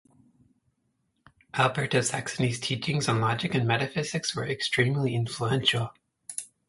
Albert of Saxony's teachings on logic and metaphysics were extremely influential.